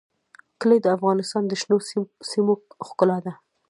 کلي د افغانستان د شنو سیمو ښکلا ده.